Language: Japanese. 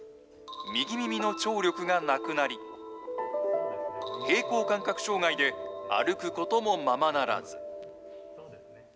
右耳の聴力がなくなり、平衡感覚障害で歩くこともままならず。